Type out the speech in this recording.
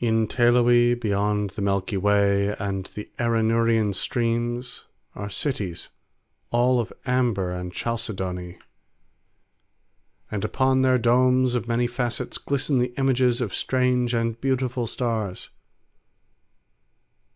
In Teloe beyond the Milky Way and the Arinurian streams are cities all of amber and chalcedony. And upon their domes of many facets glisten the images of strange and beautiful stars.